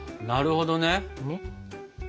なるほどね。